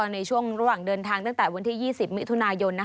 ในช่วงระหว่างเดินทางตั้งแต่วันที่๒๐มิถุนายน